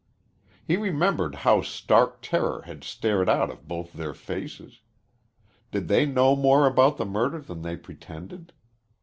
He remembered how stark terror had stared out of both their faces. Did they know more about the murder than they pretended?